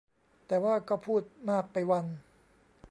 แต่ว่าก็พูดมากไปวัน